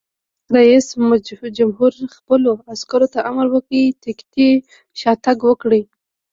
رئیس جمهور خپلو عسکرو ته امر وکړ؛ تکتیکي شاتګ وکړئ!